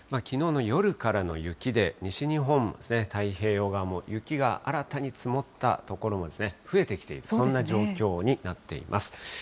きのうの夜からの雪で、西日本、太平洋側も、雪が新たに積もった所も増えてきている、そんな状況になっています。